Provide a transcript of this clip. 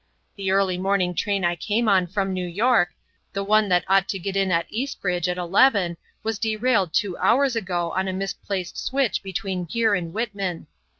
The early morning train I came on from New York, the one that ought to get in at Eastridge at eleven, was derailed two hours ago on a misplaced switch between here and Whitman.